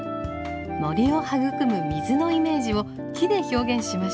森を育む水のイメージを木で表現しました。